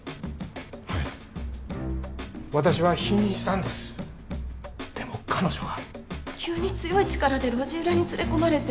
はい私は否認したんですでも彼女が急に強い力で路地裏に連れ込まれて